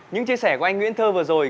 những chia sẻ của anh nguyễn thơ vừa rồi